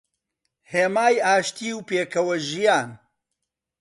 هێمای ئاشتی و پێکەوەژیان